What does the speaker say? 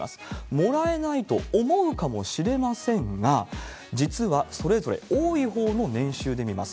もらえないと思うかもしれませんが、実はそれぞれ多いほうの年収で見ます。